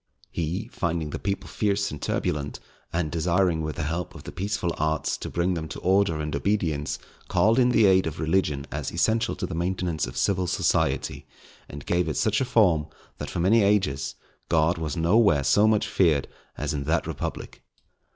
He finding the people fierce and turbulent, and desiring with the help of the peaceful arts to bring them to order and obedience, called in the aid of religion as essential to the maintenance of civil society, and gave it such a form, that for many ages God was nowhere so much feared as in that republic.